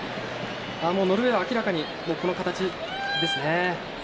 ノルウェーは明らかにこの形ですね。